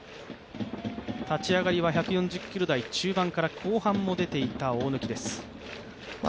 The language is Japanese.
立ち上がりは１４０キロ中盤から後半も出ていた大貫です。